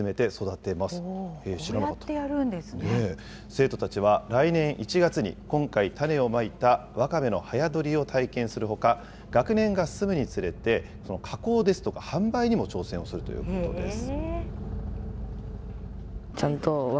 生徒たちは来年１月に、今回種をまいたワカメの早取りを体験するほか、学年が進むにつれて、加工ですとか、販売にも挑戦をするということです。